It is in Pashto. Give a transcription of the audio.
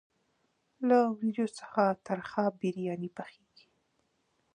له وریجو څخه ترخه بریاني پخیږي.